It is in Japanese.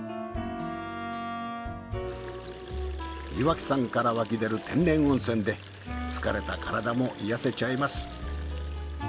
岩木山からわき出る天然温泉で疲れた体も癒やせちゃいます。